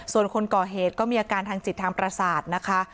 ส่วนคนก่อเหตุก็มีอาการทางจิตทางประสาทนะคะ